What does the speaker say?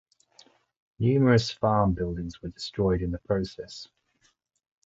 Numerous farm buildings were destroyed in the process.